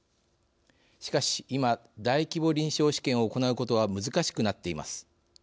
しかし今大規模臨床試験を行うことは難しくなっています。